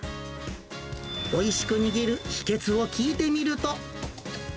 おいしく握る秘けつを聞いてみると。